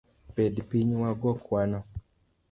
Bed piny wago kwano.